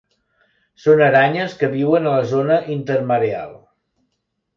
Són aranyes que viuen a la zona intermareal.